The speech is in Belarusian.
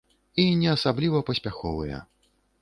І не асабліва паспяховыя.